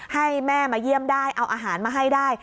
ให้แม่มาเยี่ยมได้เอาอาหารมาให้ได้